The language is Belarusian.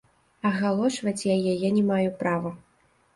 Агалошваць яе я не маю права.